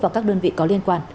và các đơn vị có liên quan